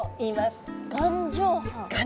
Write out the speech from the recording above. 眼状斑。